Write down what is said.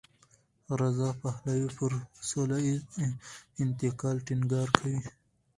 رضا پهلوي پر سولهییز انتقال ټینګار کوي.